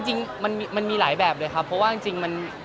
จริงมันมีหลายแบบเลยครับเพราะว่า